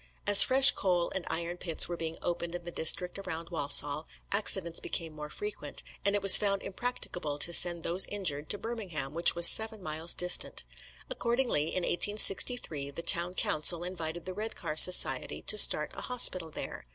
As fresh coal and iron pits were being opened in the district around Walsall, accidents became more frequent, and it was found impracticable to send those injured to Birmingham, which was seven miles distant; Accordingly, in 1863, the Town Council invited the Redcar Society to start a hospital there.